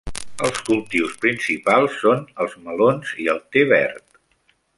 Els cultius principals són els melons i el té verd.